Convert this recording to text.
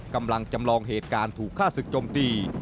กำลังจำลองเหตุการณ์ถูกฆ่าศึกจมตี